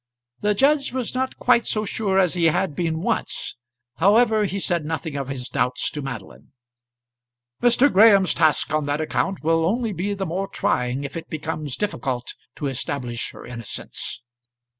The judge was not quite so sure as he had been once. However, he said nothing of his doubts to Madeline. "Mr. Graham's task on that account will only be the more trying if it becomes difficult to establish her innocence."